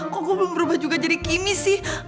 kok gue belum berubah juga jadi kimmy sih